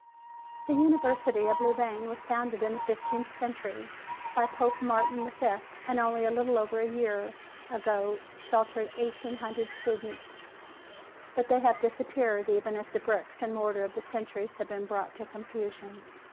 The University of Louvain was founded in the fifteenth century by Pope Martin V, and only a little over a year ago sheltered eighteen hundred students. But they have disappeared even as the bricks and mortar of the centuries have been brought to confusion.